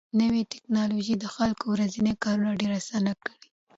نوې ټکنالوژي د خلکو ورځني کارونه ډېر اسانه کړي